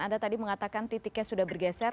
anda tadi mengatakan titiknya sudah bergeser